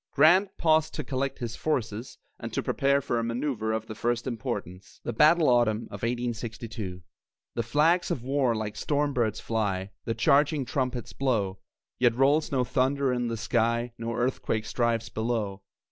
Grant paused to collect his forces and to prepare for a manoeuvre of the first importance. THE BATTLE AUTUMN OF 1862 The flags of war like storm birds fly, The charging trumpets blow; Yet rolls no thunder in the sky, No earthquake strives below.